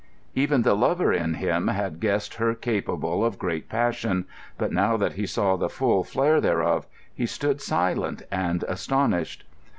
Even the lover in him had guessed her capable of great passion, but now that he saw the full flare thereof he stood silent and astonished.